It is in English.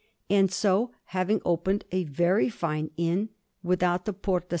And so, having opened a very fine inn, without the Porta S.